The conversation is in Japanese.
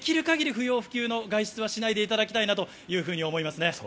不要不急の外出はしないでいただきたいなと思いますね。